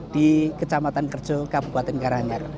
di kecamatan kerjo kabupaten karanga